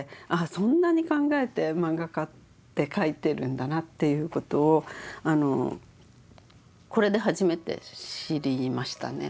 そんなに考えてマンガ家って描いてるんだなという事をこれで初めて知りましたね。